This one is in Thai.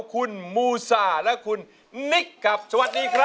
คุณมูซาและคุณนิกครับสวัสดีครับ